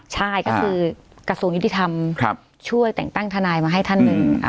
ใช่ก็คือกระทรวงยุติธรรมช่วยแต่งตั้งทนายมาให้ท่านหนึ่ง